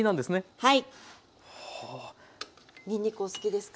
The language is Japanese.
はい。